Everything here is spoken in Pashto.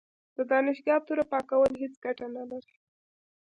د دانشګاه توره پاکول هیڅ ګټه نه لري.